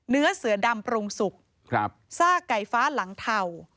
เนื้อเสือดำปรุงสุกซากไก่ฟ้าหลังเทา